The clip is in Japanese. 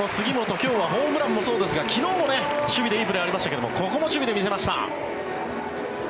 今日はホームランもそうですが昨日も守備でいいプレーありましたけれどもここも守備で見せました。